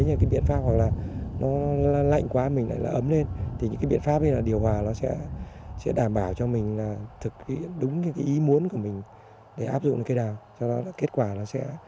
những biện pháp điều hòa sẽ đảm bảo cho mình thực hiện đúng ý muốn của mình để áp dụng cây đào